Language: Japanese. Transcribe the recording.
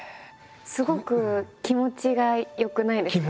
すごく気持ちが良くないですか？